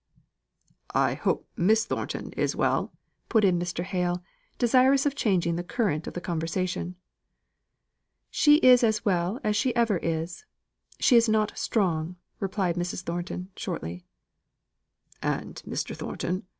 "I hope Miss Thornton is well," put in Mr. Hale, desirous of changing the current of the conversation. "She is as well as she ever is. She is not strong," replied Mrs. Thornton, shortly. "And Mr. Thornton?